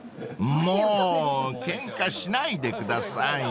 ［もうケンカしないでください］